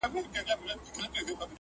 دوه شاهان په یوه ملک کي نه ځاییږي!